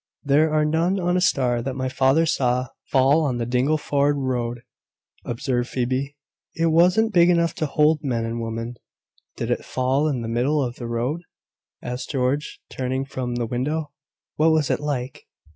"There were none on a star that my father saw fall on the Dingleford road," observed Phoebe. "It wasn't big enough to hold men and women." "Did it fall in the middle of the road?" asked George, turning from the window. "What was it like?"